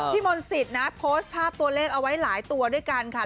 มนศิษย์นะโพสต์ภาพตัวเลขเอาไว้หลายตัวด้วยกันค่ะ